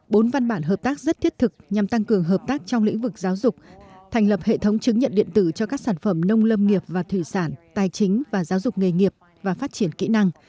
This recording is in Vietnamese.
bốn văn bản hợp tác rất thiết thực nhằm tăng cường hợp tác trong lĩnh vực giáo dục thành lập hệ thống chứng nhận điện tử cho các sản phẩm nông lâm nghiệp và thủy sản tài chính và giáo dục nghề nghiệp và phát triển kỹ năng